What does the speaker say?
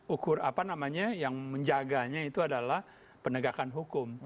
ukur apa namanya yang menjaganya itu adalah penegakan hukum